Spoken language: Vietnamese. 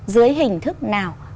dưới hình thức nào